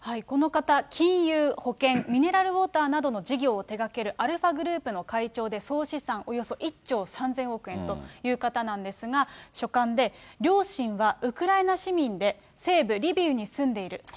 この方、金融、保険、ミネラルウォーターなどの事業を手がけるアルファグループの会長で、総資産およそ１兆３０００億円という方なんですが、書簡で両親はウクライナ市民で、西部リビウに住んでいる。